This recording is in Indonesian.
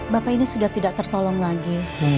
bapak ini sudah tidak tertolong lagi